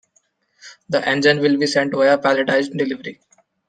The engine will be sent via palletized delivery.